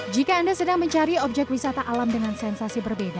jika anda sedang mencari objek wisata alam dengan sensasi berbeda